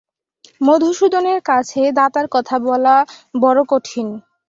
মধুসূদনের কাছে দাদার কথা বলা বড়ো কঠিন।